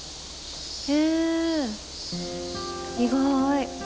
へえ意外。